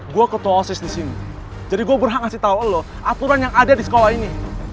gue ketuasis disini jadi gue berhak ngasih tau el aturan yang ada di sekolah ini